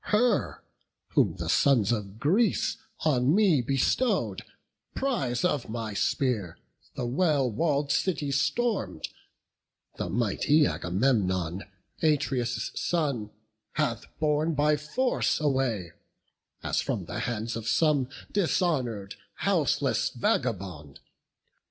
Her, whom the sons of Greece on me bestow'd, Prize of my spear, the well wall'd city storm'd, The mighty Agamemnon, Atreus' son, Hath borne by force away, as from the hands Of some dishonour'd, houseless vagabond.